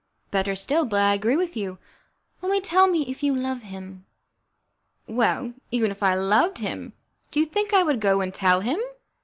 "Better still, but I agree with you. Only tell me if you love him?" "Well, even if I loved him, do you think I would go and tell him?